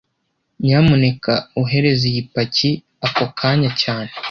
Nyamuneka ohereza iyi paki ako kanya cyane